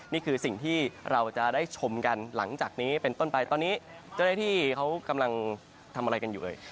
นี่คือสิ่งที่เราจะได้ชมกันหลังจากนี้เป็นต้นไปตอนนี้เจ้าหน้าที่เขากำลังทำอะไรกันอยู่เลย